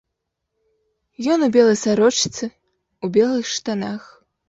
Ён у белай сарочцы, у белых штанах.